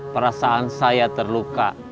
perasaan saya terluka